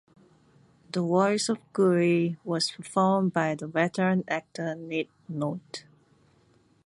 The voice of Kuiil was performed by veteran actor Nick Nolte.